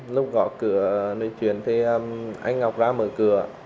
lúc gọi cửa nơi chuyển thì anh ngọc ra mở cửa